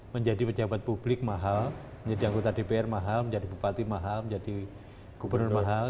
menjadi pejabat publik mahal menjadi anggota dpr mahal menjadi bupati mahal menjadi gubernur mahal